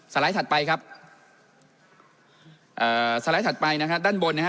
ไลด์ถัดไปครับเอ่อสไลด์ถัดไปนะฮะด้านบนนะครับ